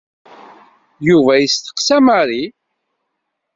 Yuba yesteqsa Mary.